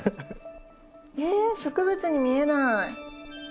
えっ植物に見えない。